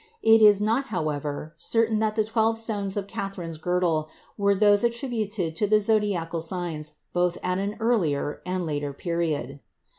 It is not, however, certain that the twelve stones of Catherine's girdle were those attributed to the zodiacal signs both at an earlier and later period.